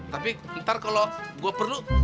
tapi ntar kalau gue perlu